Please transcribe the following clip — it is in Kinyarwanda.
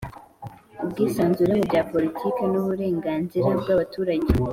Ubwisanzure mu bya politike n uburenganzira bw abaturage